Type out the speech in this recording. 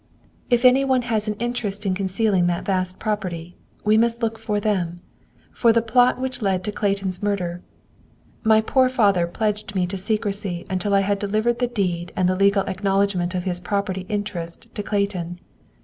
"If any one had an interest in concealing that vast property, we must look for them, for the plot which led to Clayton's murder. My poor father pledged me to secrecy until I had delivered the deed and the legal acknowledgment of his property interest to Clayton.